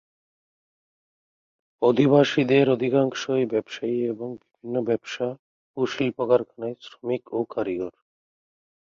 অধিবাসীদের অধিকাংশই ব্যবসায়ী এবং বিভিন্ন ব্যবসা ও শিল্প কারখানায় শ্রমিক ও কারিগর।